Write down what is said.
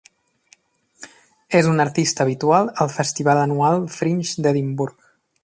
És un artista habitual al festival anual Fringe d'Edimburg.